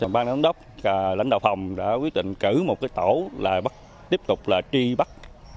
ban đồng đốc và lãnh đạo phòng đã quyết định cử một cái tổ là tiếp tục là tri bắt